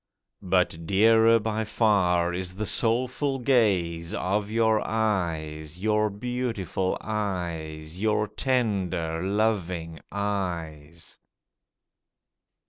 But dearer by far is the soulful gaze Of your eyes, your beautiful eyes Your tender, loving eyes.